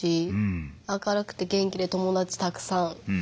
明るくて元気で友達たくさん。